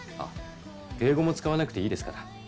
敬語も使わなくていいですから。